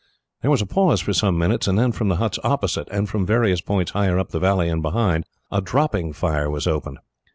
There was a pause for some minutes, and then, from the huts opposite, and from various points higher up the valley and behind, a dropping fire was opened.